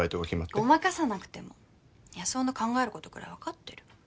ごまかさなくても安生の考えることくらい分かってる。